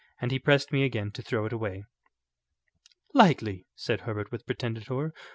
And he pressed me again to throw it away." "Likely," said Herbert, with pretended horror.